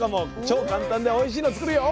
超簡単でおいしいの作るよ。